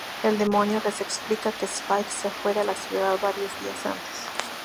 El demonio les explica que Spike se fue de la ciudad varios días antes.